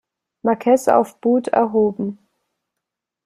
Marquess of Bute erhoben.